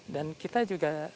dan kita juga